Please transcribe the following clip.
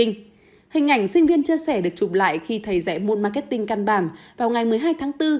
hình ảnh sinh viên chia sẻ được chụp lại khi thầy dạy môn marketing căn bản vào ngày một mươi hai tháng bốn